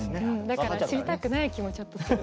だから知りたくない気もちょっとする。